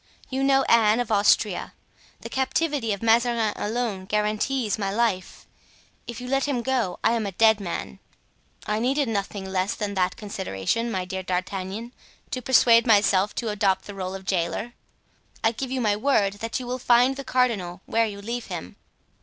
You know Anne of Austria; the captivity of Mazarin alone guarantees my life; if you let him go I am a dead man." "I needed nothing less than that consideration, my dear D'Artagnan, to persuade myself to adopt the role of jailer. I give you my word that you will find the cardinal where you leave him."